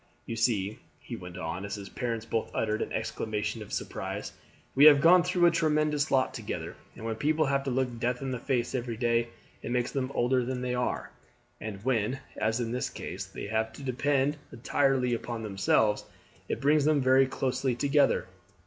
You see," he went on, as his parents both uttered an exclamation of surprise, "we have gone through a tremendous lot together, and when people have to look death in the face every day it makes them older than they are; and when, as in this case, they have to depend entirely on themselves, it brings them very closely together.